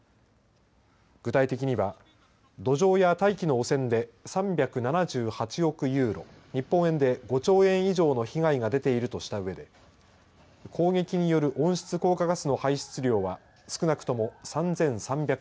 具体的には土壌や大気の汚染で３７８億ユーロ日本円で５兆円以上の被害が出ているとしたうえで攻撃による温室効果ガスの排出量は少なくとも３３００万トン。